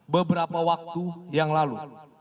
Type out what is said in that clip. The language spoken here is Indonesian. beberapa waktu yang lalu